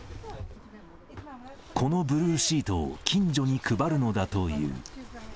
このブルーシートを近所に配るのだという。